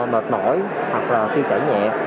mệt mỏi hoặc là phiêu chẩn nhẹ